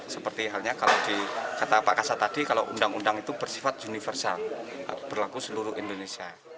seperti halnya kalau di kata pak kasat tadi kalau undang undang itu bersifat universal berlaku seluruh indonesia